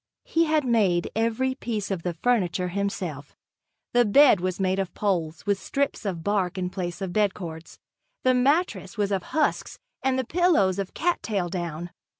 He had made every piece of the furniture himself. The bed was made of poles, with strips of bark in place of bedcords, the mattress was of husks and the pillows of cat tail down.